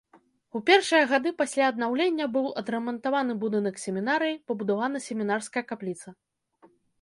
У першыя гады пасля аднаўлення быў адрамантаваны будынак семінарыі, пабудавана семінарская капліца.